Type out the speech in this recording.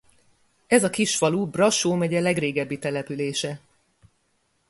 Ez a kis falu Brassó megye legrégebbi települése.